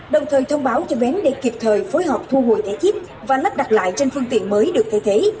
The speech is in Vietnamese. đồng thời thông báo cho bến để kịp thời phối hợp thu hồi thẻ chip và lắp đặt lại trên phương tiện mới được thay thế